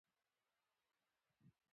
افسرانو د انګریزانو قبرونه نه وو ښخ کړي.